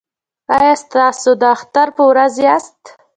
ایا تاسو د اختر په ورځ یاست؟